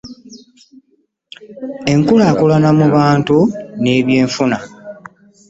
Enkulaakulana mu bantu n'ebyenfuna.